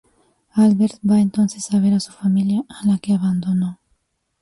Albert va entonces a ver a su familia, a la que abandonó.